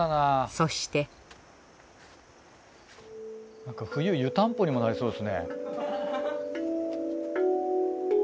そして冬湯たんぽにもなりそうですね。